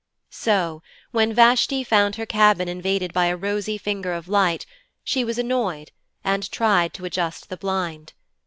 So when Vashti found her cabin invaded by a rosy finger of light, she was annoyed, and tried to adjust the blind.